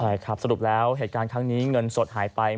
ใช่ครับสรุปแล้วเหตุการณ์ครั้งนี้เงินสดหายไป